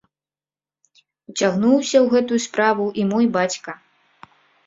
Уцягнуўся ў гэту справу і мой бацька.